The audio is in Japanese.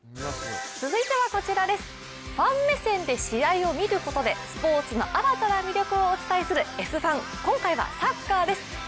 続いてはこちらです、ファン目線で試合を見ることでスポーツの新たな魅力をお伝えする「Ｓ☆ファン」、今回はサッカーです。